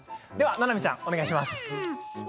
ななみちゃん、お願いします。